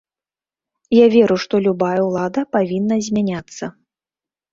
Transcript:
Я веру, што любая ўлада павінна змяняцца.